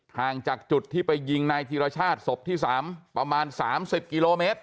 ห่างจากจุดที่ไปยิงนายธีรชาติศพที่๓ประมาณ๓๐กิโลเมตร